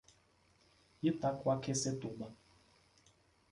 Itaquaquecetuba